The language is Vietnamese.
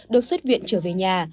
được xuất viện trở về nhà